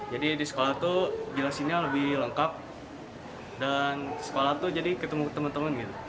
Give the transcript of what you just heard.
jadi di sekolah itu jelasinnya lebih lengkap dan sekolah itu jadi ketemu teman teman